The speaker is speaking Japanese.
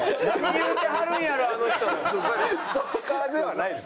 ストーカーではないです。